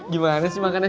gimana sih makannya